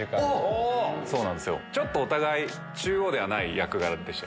お互い中央ではない役柄でした。